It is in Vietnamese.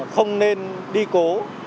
không nên đi cố